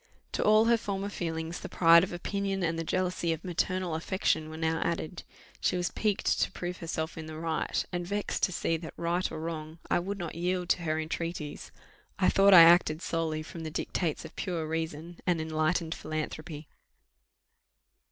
To all her former feelings, the pride of opinion and the jealousy of maternal affection were now added; she was piqued to prove herself in the right, and vexed to see that, right or wrong, I would not yield to her entreaties. I thought I acted solely from the dictates of pure reason and enlightened philanthropy.